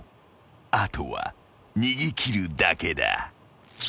後は逃げ切るだけだ］